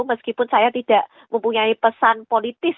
meskipun saya tidak mempunyai pesan politis